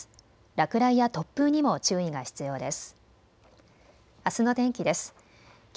落雷や突風にも注意が必要です。